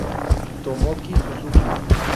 Tomoki Suzuki